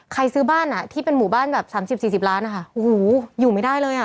ซื้อบ้านอ่ะที่เป็นหมู่บ้านแบบ๓๐๔๐ล้านนะคะโอ้โหอยู่ไม่ได้เลยอ่ะ